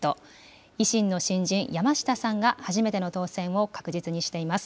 維新の新人、山下さんが、初めての当選を確実にしています。